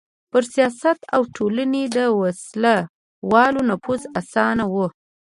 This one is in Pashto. پر سیاست او ټولنې د وسله والو نفوذ اسانه و.